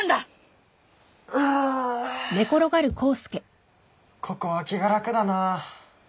あここは気が楽だなあ。